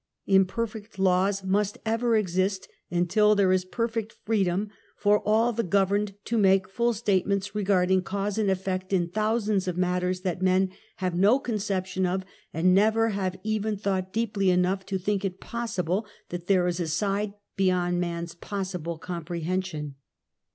Imperfect laws must ever exist until there is perfect freedom for all the governed to make full statements regard ing cause and effect in thousands of matters that men have no conception of, and never have even thought deeply enough to think it possible that there is a side beyond man's possible comprehension.